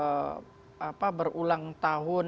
ya sebenarnya kasus kasus itu ada yang sudah berulang tahun